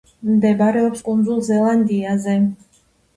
მდებარეობს კუნძულ ზელანდიაზე.